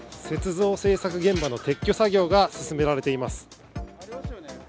雪像制作現場の撤去作業が進められています。